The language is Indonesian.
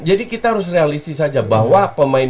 jadi kita harus realistis aja bahwa pemain